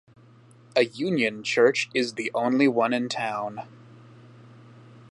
A union church is the only one in town.